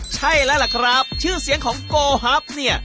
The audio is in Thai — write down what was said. ใช่แล้วล่ะครับชื่อเสียงของโกฮับเนี่ย